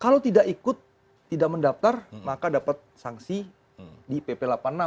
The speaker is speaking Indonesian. kalau tidak ikut tidak mendaftar maka dapat sanksi di pp delapan puluh enam dua ribu tiga belas